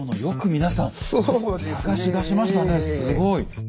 すごい。